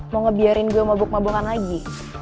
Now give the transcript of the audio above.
mau ngebiarin gue mabuk mabokan lagi